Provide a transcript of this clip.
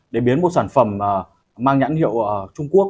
để biến một sản phẩm mang nhãn hiệu trung quốc